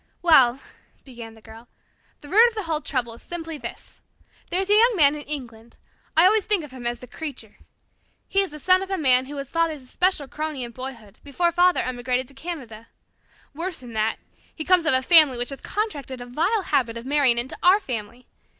"Well," began the Girl, "the root of the whole trouble is simply this. There is a young man in England. I always think of him as the Creature. He is the son of a man who was Father's especial crony in boyhood, before Father emigrated to Canada. Worse than that, he comes of a family which has contracted a vile habit of marrying into our family.